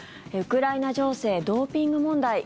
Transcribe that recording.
ウクライナ情勢、ドーピング問題